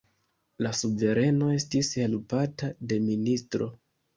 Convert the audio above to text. La suvereno estis helpata de ministro.